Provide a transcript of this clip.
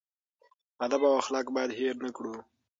ادب او اخلاق باید هېر نه کړو.